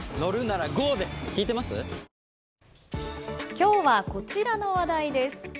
今日は、こちらの話題です。